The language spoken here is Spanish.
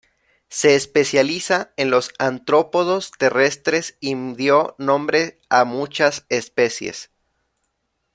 Se especializa en los artrópodos terrestres y dio nombre a muchas especies.